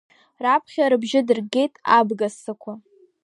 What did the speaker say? Раԥхьа рыбжьы дыргеит абгассақәа.